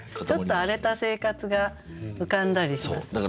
ちょっと荒れた生活が浮かんだりします。